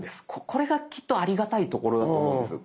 これがきっとありがたいところだと思うんです。